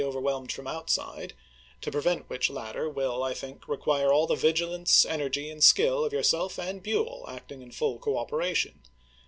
overwhelmed from outside ; to prevent which latter will, I think, require all the vigilance, energy, and skill of yourself and Buell, acting in full cooperation.